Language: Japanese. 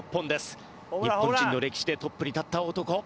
日本人の歴史でトップに立った男。